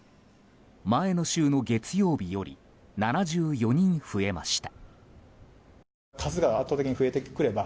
前の週の月曜日より７４人増えました。